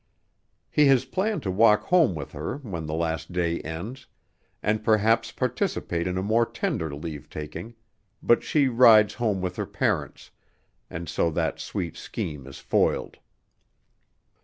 He has planned to walk home with her when the last day ends, and perhaps participate in a more tender leave taking, but she rides home with her parents, and so that sweet scheme is foiled.